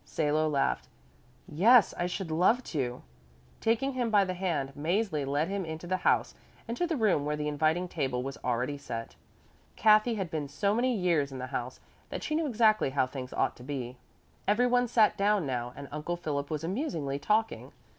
Salo laughed: "Yes, I should love to." Taking him by the hand, Mäzli led him into the house and to the room where the inviting table was already set. Kathy had been so many years in the house that she knew exactly how things ought to be. Everyone sat down now and Uncle Philip was amusingly talking.